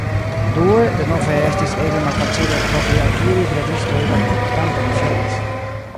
Due, denove estis ege malfacile eltrovi al kiuj bredistoj la produktanto liveris.